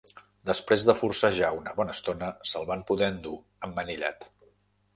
Després de forcejar una bona estona, se'l van poder endur emmanillat.